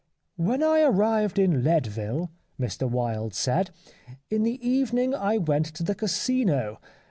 " When I arrived in Leadville," Mr Wilde said, " in the evening I went to the Casino.